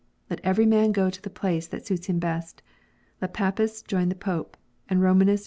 Let every man go to the place that suits him best. Let Papists join the Pope, and Romanists retire to Rome.